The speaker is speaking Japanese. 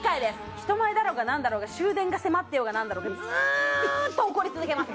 人前だろうが何だろうが終電が迫ってようが何だろうがずっと怒り続けます